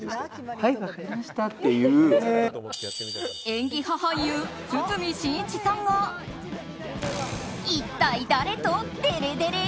演技派俳優・堤真一さんが一体誰とデレデレ？